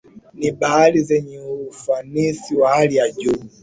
Ni bahari zenye ufanisi wa hali ya juu